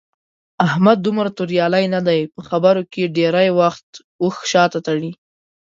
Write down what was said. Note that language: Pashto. احمد دومره توریالی نه دی. په خبرو کې ډېری وخت اوښ شاته تړي.